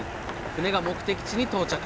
船が目的地に到着。